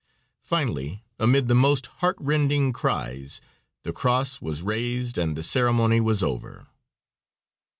Finally, amid the most heartrending cries, the cross was raised and the ceremony was over.